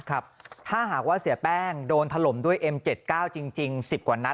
ครับถ้าหากว่าเสียแป้งโดนถล่มด้วยเอ็มเจ็ดเก้าจริงจริงสิบกว่านัด